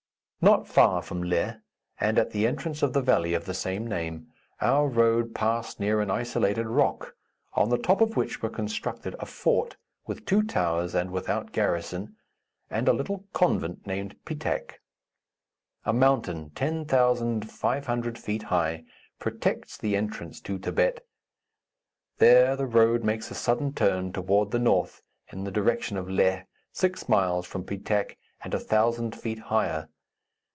Not far from Leh, and at the entrance of the valley of the same name, our road passed near an isolated rock, on the top of which were constructed a fort with two towers and without garrison and a little convent named Pitak. A mountain, 10,500 feet high, protects the entrance to Thibet. There the road makes a sudden turn toward the north, in the direction of Leh, six miles from Pitak and a thousand feet higher.